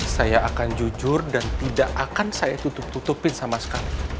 saya akan jujur dan tidak akan saya tutup tutupin sama sekali